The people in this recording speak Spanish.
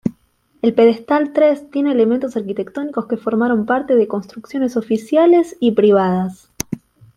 El pedestal tres tiene elementos arquitectónicos que formaron parte de construcciones oficiales y privadas.